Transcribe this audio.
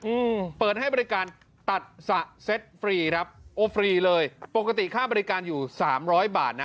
อืมเปิดให้บริการตัดสระเซ็ตฟรีครับโอฟรีเลยปกติค่าบริการอยู่สามร้อยบาทนะ